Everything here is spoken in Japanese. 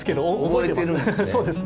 覚えてるんですね。